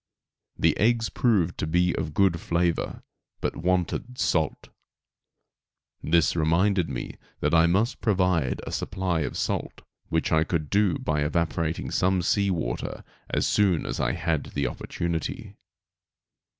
The eggs proved to be of good flavor, but wanted salt. This reminded me that I must provide a supply of salt, which I could do by evaporating some sea water as soon as I had the opportunity.